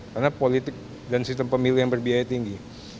karena politik dan sistem pemilu yang berbiaya tinggi